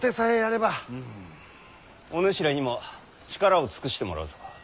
お主らにも力を尽くしてもらうぞ。